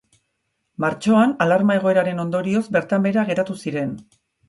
Martxoan, alarma egoeraren ondorioz bertan behera geratu ziren.